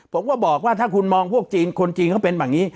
ผมก็บอกว่าถ้าคุณมองพวกจีนคนจีนเขาเป็นแบบนี้